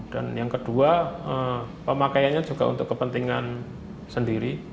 dan yang kedua pemakaiannya juga untuk kepentingan sendiri